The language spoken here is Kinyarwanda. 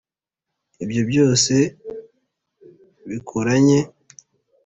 ibyo byose bikoranye